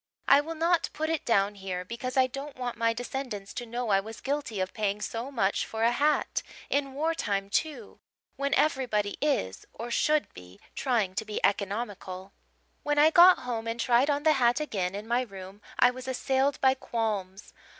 I will not put it down here because I don't want my descendants to know I was guilty of paying so much for a hat, in war time, too, when everybody is or should be trying to be economical. "When I got home and tried on the hat again in my room I was assailed by qualms.